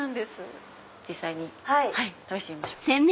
実際に試してみましょう。